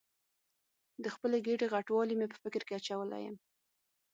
د خپلې ګېډې غټوالی مې په فکر کې اچولې یم.